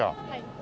あ。